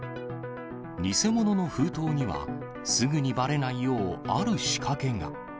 偽物の封筒にはすぐにばれないよう、ある仕掛けが。